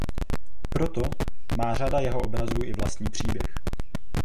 Proto má řada jeho obrazů i vlastní příběh.